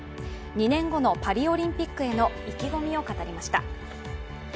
２年後のパリオリンピックへの意気込みを語りました。